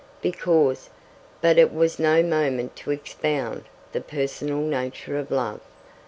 "Because " But it was no moment to expound the personal nature of love.